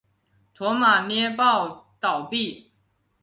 驼马捏报倒毙。